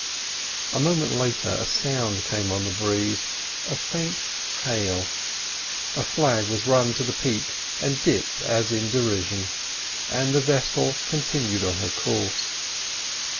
A moment later a sound came on the breeze, a faint hail; a flag was run up to the peak and dipped as in derision, and the vessel continued on her course.